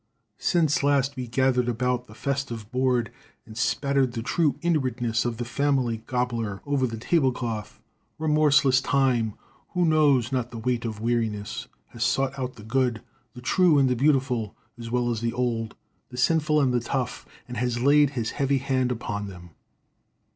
Since last we gathered about the festive board and spattered the true inwardness of the family gobbler over the table cloth, remorseless time, who knows not the weight of weariness, has sought out the good, the true and the beautiful, as well as the old, the sinful and the tough, and has laid his heavy hand upon them.